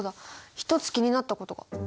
一つ気になったことが。